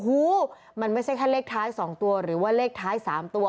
หูมันไม่ใช่แค่เลขท้าย๒ตัวหรือว่าเลขท้าย๓ตัว